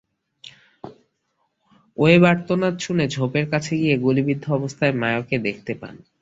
Web আর্তনাদ শুনে ঝোপের কাছে গিয়ে গুলিবিদ্ধ অবস্থায় মায়োকে দেখতে পান।